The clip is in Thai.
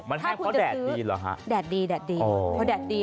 มันแห้งเพราะแดดดีเหรอคะแดดเพราะแดดดี